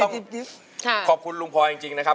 ขอบคุณลุงพลอยจริงนะครับ